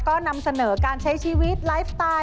ก็นำเสนอการใช้ชีวิตไลฟ์สไตล์